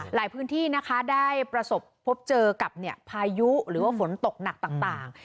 หลายพื้นที่นะคะได้ประสบพบเจอกับพายุหรือว่าฝนตกหนักต่าง